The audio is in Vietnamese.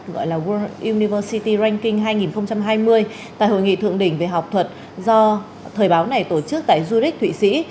gọi là world university ranking hai nghìn hai mươi tại hội nghị thượng đỉnh về học thuật do thời báo này tổ chức tại zurich thụy sĩ